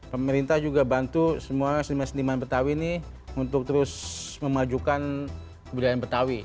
pemerintah juga bantu semua seniman seniman betawi ini untuk terus memajukan kebudayaan betawi